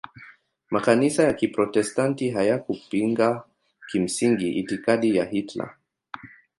Makanisa ya Kiprotestanti hayakupinga kimsingi itikadi ya Hitler.